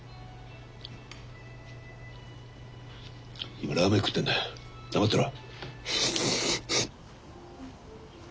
今ラーメン食ってんだ黙ってろ。